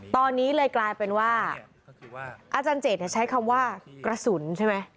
ตอนนี้เลยกลายเป็นว่าอาจารย์เจตใช้คำว่ากระสุนใช่ไหม